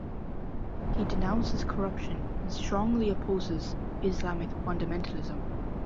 He denounces corruption and strongly opposes Islamic fundamentalism.